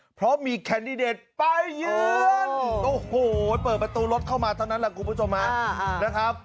เพราะมีแคนดิเดตไปเยือนโอ้โหเปิดประตูรถเข้ามาเท่านั้นแหละคุณผู้ชมฮะนะครับ